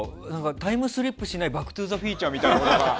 タイムスリップしない「バック・トゥ・ザ・フューチャー」みたいな。